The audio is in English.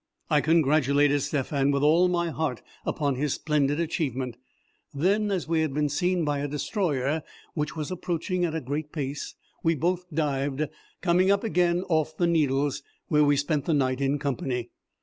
I congratulated Stephan with all my heart upon his splendid achievement. Then as we had been seen by a destroyer which was approaching at a great pace, we both dived, coming up again off the Needles, where we spent the night in company.